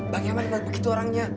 bang yaman enggak begitu orangnya